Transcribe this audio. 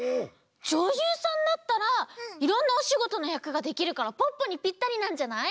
じょゆうさんだったらいろんなおしごとのやくができるからポッポにピッタリなんじゃない？